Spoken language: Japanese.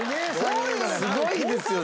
すごいですよね。